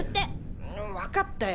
分かったよ！